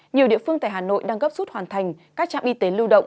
nhiều địa phương tại hà nội đang gấp rút hoàn thành các trạm y tế lưu động